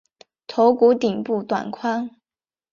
头骨顶部短宽。